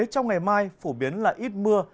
trong ngày mai phổ biến là ít mưa